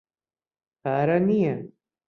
پارە نییە.